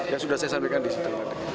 yang sudah saya sampaikan di situ